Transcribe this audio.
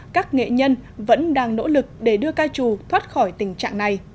các nghệ nhân vẫn đang nỗ lực để đưa ca trù thoát khỏi tình trạng này